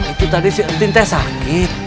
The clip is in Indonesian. itu tadi si entin tes sakit